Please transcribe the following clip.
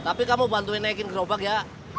tapi kamu bantuin naikin gerobak ya